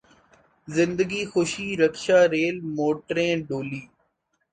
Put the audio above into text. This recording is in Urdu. زندگی خوشی رکشا ریل موٹریں ڈولی